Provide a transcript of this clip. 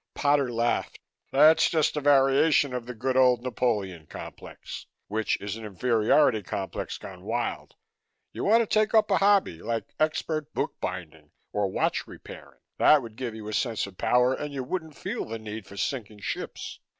Potter laughed. "That's just a variation of the good old Napoleon complex which is an inferiority complex gone wild. You ought to take up a hobby, like expert book binding or watch repairing. That would give you a sense of power and you wouldn't feel the need for sinking ships.